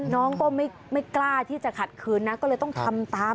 น้องก็ไม่กล้าที่จะขัดคืนนะก็เลยต้องทำตาม